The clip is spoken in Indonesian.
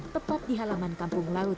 tepat di halaman kampung laut